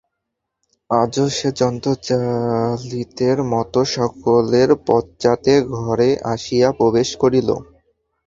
আজও সে যন্ত্রচালিতের মতো সকলের পশ্চাতে ঘরে আসিয়া প্রবেশ করিল।